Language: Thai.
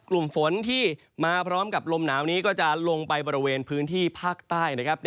กลุ่มฝนที่มาพร้อมกับลมหนาวนี้ก็จะลงไปบริเวณพื้นที่ภาคใต้นะครับ